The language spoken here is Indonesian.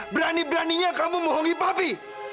berani beraninya kamu bohongi papi